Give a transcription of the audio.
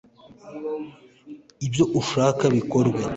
ibyo ushaka bikorwe